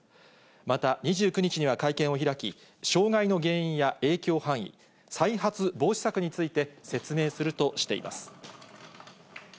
また２９日には会見を開き、障害の原因や影響範囲、再発防止策について説明するとしています。